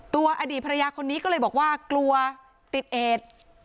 อดีตภรรยาคนนี้ก็เลยบอกว่ากลัวติดเอด